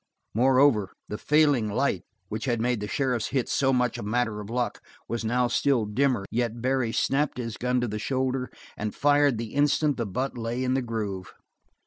Moreover, the failing light which had made the sheriff's hit so much a matter of luck was now still dimmer, yet Barry snapped his gun to the shoulder and fired the instant the butt lay in the grove.